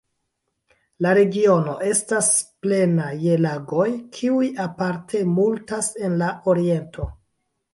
La regiono estas plena je lagoj, kiuj aparte multas en la oriento.